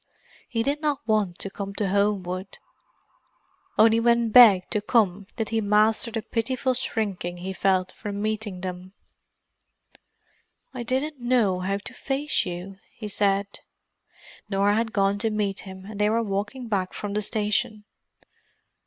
He did not want to come to Homewood; only when begged to come did he master the pitiful shrinking he felt from meeting them. "I didn't know how to face you," he said. Norah had gone to meet him, and they were walking back from the station.